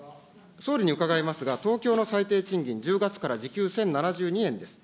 総理に伺いますが、東京の最低賃金、１０月から時給１０７２円です。